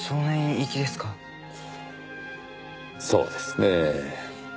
そうですねぇ。